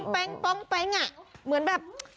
ป๊องงแป๊งเหมือนแบบ